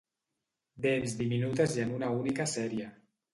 Dents diminutes i en una única sèrie.